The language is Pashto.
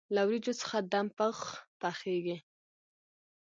له وریجو څخه دم پخ پخیږي.